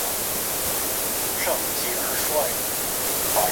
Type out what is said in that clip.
第四条过海铁路隧道将连接香港岛的中环至湾仔填海区及九龙红磡。